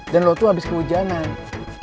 dan lo tuh abis kehujanan